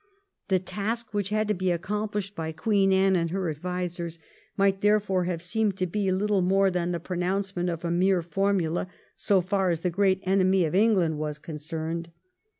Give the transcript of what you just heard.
The task which had to be accomplished by Queen Anne and her advisers might, therefore, have seemed to be little more than the pronouncement of a mere formula so far as the great enemy of Eng land was concerned.